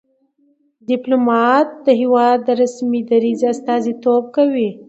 ډيپلومات د هېواد د رسمي دریځ استازیتوب کوي.